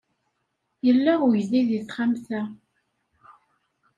Yella uydi deg texxamt-a.